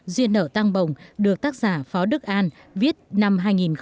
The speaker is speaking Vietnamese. duyên nỡ tăng bồng được tác giả phó đức an viết năm hai nghìn hai mươi ba